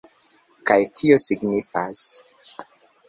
Kaj tio signifas